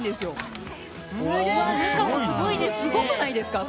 すごくないですか？